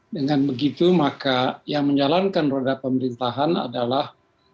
dengan begitu maka yang menjalankan roda pemerintahan adalah